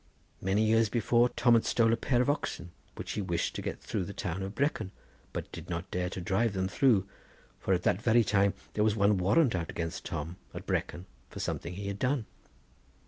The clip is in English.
Many years before Tom had stole a pair of oxen, which he wished to get through the town of Brecon, but did not dare to drive them through, for at that very time there was one warrant out against Tom at Brecon for something he had done.